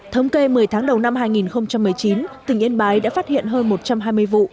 thống kê một mươi tháng đầu năm hai nghìn một mươi chín tỉnh yên bái đã phát hiện hơn một trăm hai mươi vụ